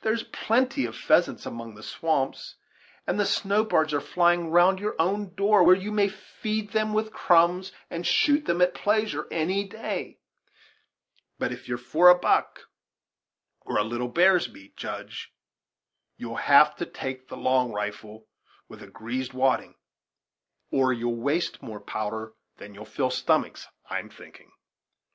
There's plenty of pheasants among the swamps; and the snow birds are flying round your own door, where you may feed them with crumbs, and shoot them at pleasure, any day; but if you're for a buck, or a little bear's meat, Judge, you'll have to take the long rifle, with a greased wadding, or you'll waste more powder than you'll fill stomachs, I'm thinking."